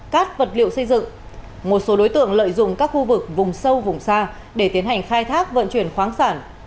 cát vật liệu xây dựng một số đối tượng lợi dụng các khu vực vùng sâu vùng xa để tiến hành khai thác vận chuyển khoáng sản